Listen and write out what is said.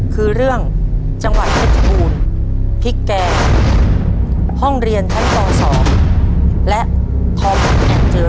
คือเรื่องจังหวัดเผ็ดภูมิพริกแกงห้องเรียนทั้งต่อสองและคอมพุทธแอบเจอรี่